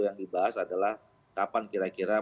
yang dibahas adalah kapan kira kira